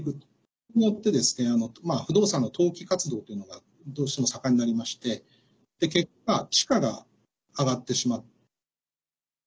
それによって不動産の投機活動というのがどうしても盛んになりまして結果、地価が上がってしまう。